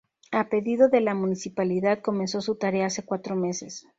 A pedido de la municipalidad, comenzó su tarea hace cuatros meses.